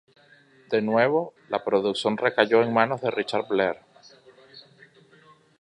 De nuevo, la producción recayó en manos de Richard Blair.